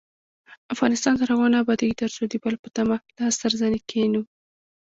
افغانستان تر هغو نه ابادیږي، ترڅو د بل په تمه لاس تر زنې کښينو.